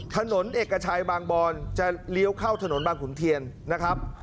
ถนนเอกชัยบางบอนจะเลี้ยวเข้าถนนบางขุนเทียนนะครับ